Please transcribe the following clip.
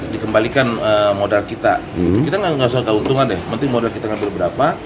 dikembalikan modal kita kita nggak usah keuntungan deh nanti modal kita ngambil berapa